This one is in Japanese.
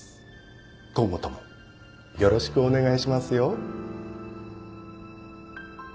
今後ともよろしくお願いしますよ。